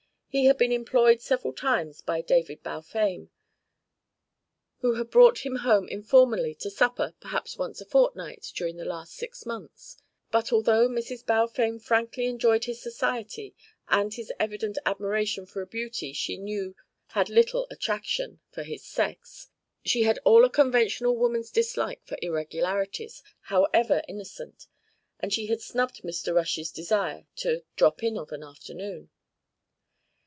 He had been employed several times by David Balfame, who had brought him home informally to supper perhaps once a fortnight during the last six months. But, although Mrs. Balfame frankly enjoyed his society and his evident admiration for a beauty she knew had little attraction for his sex, she had all a conventional woman's dislike for irregularities, however innocent; and she had snubbed Mr. Rush's desire to "drop in of an afternoon."